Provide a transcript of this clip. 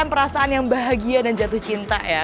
dan perasaan yang bahagia dan jatuh cinta ya